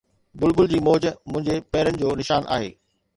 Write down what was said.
بلبل جي موج منهنجي پيرن جو نشان آهي